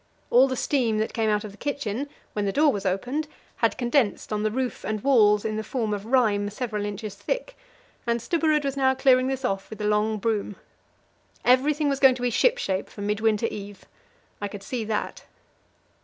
All the steam that came out of the kitchen, when the door was opened, had condensed on the roof and walls in the form of rime several inches thick, and Stubberud was now clearing this off with a long broom. Everything was going to be shipshape for Midwinter Eve; I could see that.